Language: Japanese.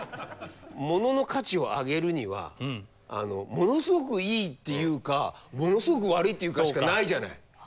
物の価値を上げるにはものすごくいいって言うかものすごく悪いって言うかしかないじゃない。